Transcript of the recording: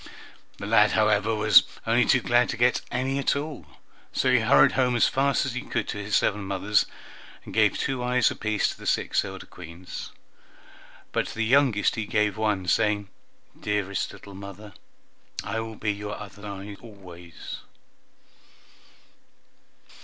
The lad, however, was only too glad to get any at all, so he hurried home as fast as he could to his seven mothers, and gave two eyes apiece to the six elder Queens; but to the youngest he gave one, saying, "Dearest little mother! I will be your other eye always!"